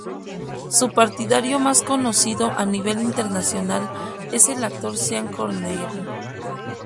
Su partidario más conocido a nivel internacional es el actor Sean Connery.